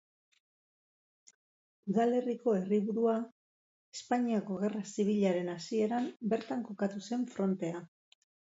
Udalerriko herriburua, Espainiako Gerra Zibilaren hasieran bertan kokatu zen frontea.